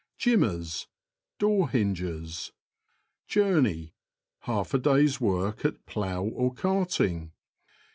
JiMMERS. — Door hinges. Journey. — Half a day's work at plough or carting.